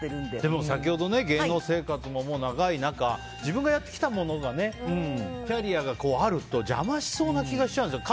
でも、芸能生活ももう長い中自分がやってきたものがキャリアがあると、邪魔しそうな気がしちゃうんですよ。